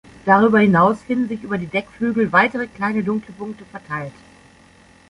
Darüber hinaus finden sich über die Deckflügel weitere kleine dunkle Punkte verteilt.